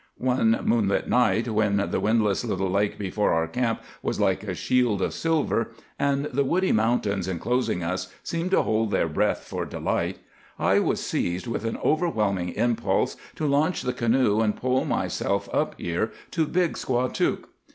"One moonlight night, when the windless little lake before our camp was like a shield of silver, and the woody mountains enclosing us seemed to hold their breath for delight, I was seized with an overwhelming impulse to launch the canoe and pole myself up here to Big Squatook.